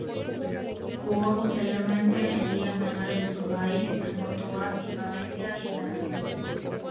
Jugó posteriormente en ligas menores de su país, en Portugal, Indonesia y en Brasil.